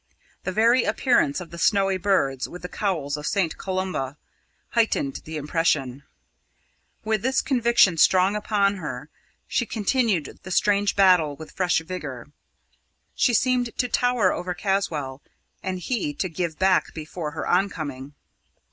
The very appearance of the snowy birds, with the cowls of Saint Columba, heightened the impression. With this conviction strong upon her, she continued the strange battle with fresh vigour. She seemed to tower over Caswall, and he to give back before her oncoming.